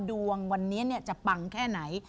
ดวงวันนี้จะปังแค่ไหน